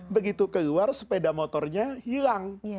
begitu keluar sepeda motornya hilang